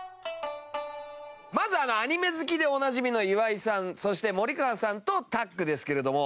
まずアニメ好きでおなじみの岩井さんそして森川さんとタッグですけれども。